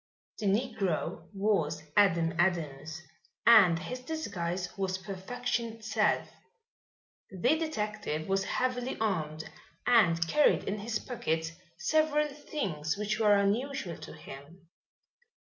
The negro was Adam Adams and his disguise was perfection itself. The detective was heavily armed and carried in his pockets several things which were unusual to him.